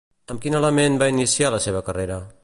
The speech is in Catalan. Amb quin element va iniciar la seva carrera?